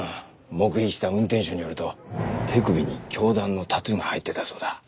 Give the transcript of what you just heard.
目撃した運転手によると手首に教団のタトゥーが入ってたそうだ。